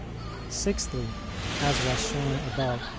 Sixthly, as was shown above (Q.